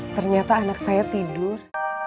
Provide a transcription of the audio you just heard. ternyata anak saya tidur